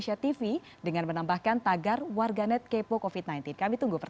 selamat sore dok